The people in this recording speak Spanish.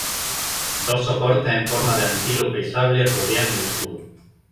Dos soportes en forma de antílope sable rodean el escudo.